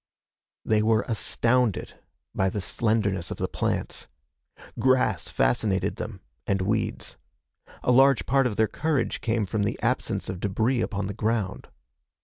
They were astounded by the slenderness of the plants. Grass fascinated them, and weeds. A large part of their courage came from the absence of debris upon the ground.